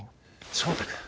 翔太君。